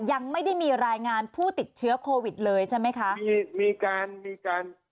ยังไม่ได้มีรายงานผู้ติดเชื้อโควิดเลยใช่ไหมคะ